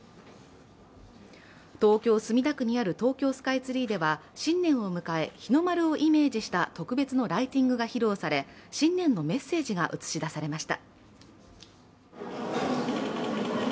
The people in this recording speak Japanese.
東京・墨田区にある東京スカイツリーでは新年を迎え日の丸をイメージした特別のライティングが披露され、新年のメッセージが映し出されました。